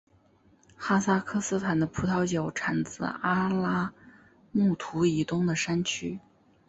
哈萨克斯坦的葡萄酒产自阿拉木图以东的山区。